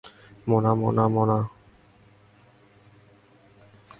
Mona, Mona, Mona!